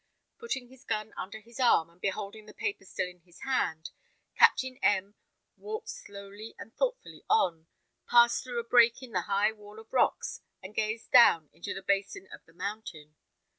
Putting his gun under his arm, and holding the paper still in his hand, Captain M walked slowly and thoughtfully on, passed through a break in the high wall of rocks, and gazed down into the basin of the mountain.